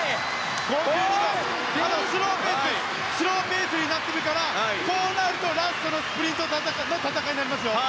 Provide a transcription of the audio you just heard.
スローペースになってくるからこうなるとラストのスプリントの戦いになりますよ。